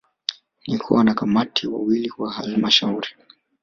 ni kuwa Wanakamati wawili wa Halmashauri